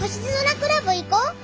クラブ行こ！